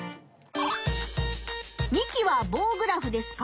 ミキは棒グラフですか。